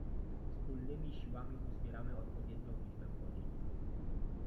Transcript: Wspólnymi siłami uzbieramy odpowiednią liczbę godzin.